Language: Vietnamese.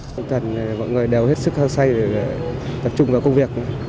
tinh thần mọi người đều hết sức hăng say để tập trung vào công việc